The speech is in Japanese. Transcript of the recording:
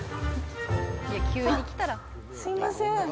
すいません。